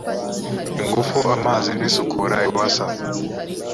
ingufu amazi n isukura ewasa